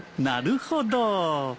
なるほど。